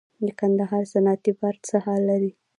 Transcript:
د کندهار صنعتي پارک څه حال لري؟